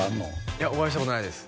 いやお会いしたことないです